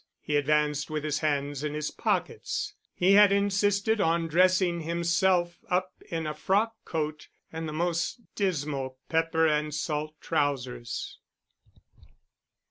He advanced with his hands in his pockets he had insisted on dressing himself up in a frock coat and the most dismal pepper and salt trousers.